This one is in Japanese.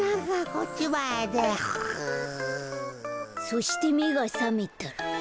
そしてめがさめたら。